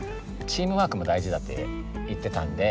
チームワークも大事だって言ってたんで。